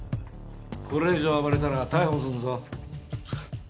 これ以上暴れたら逮捕するぞ。